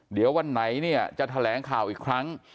เดี๋ยววันไหนเนี่ยจะแถลงข่าวอีกครั้ง